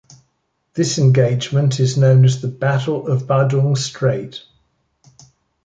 This engagement is known as the Battle of Badung Strait.